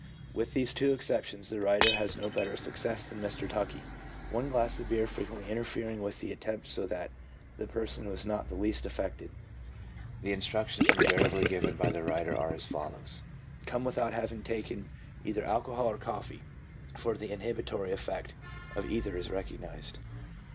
With these two exceptions, the writer has had no better success than Mr. Tuckey, one glass of beer frequently interfering with the attempt so that the person was not the least affected. The instructions invariably given by the writer are as HYPNOTISM AND OTHER CURES. 2>37 follows: —" Come without having taken either alcohol or coffee," for the inhibitor)' effect of either is recognized.